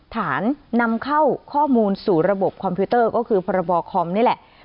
นำเข้าข้อมูลสู่ระบบคอมพิวเตอร์ก็คือพรบคอมนี่แหละ